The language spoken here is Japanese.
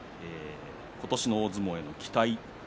ことしの大相撲へ期待。